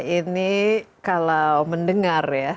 ini kalau mendengar ya